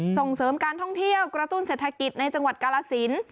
ส่งเสริมการท่องเที่ยวกระตุ้นเศรษฐกิจในจังหวัดกาลสิน